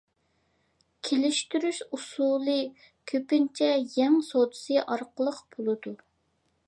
كېلىشتۈرۈش ئۇسۇلى كۆپىنچە «يەڭ سودىسى» ئارقىلىق بولىدۇ.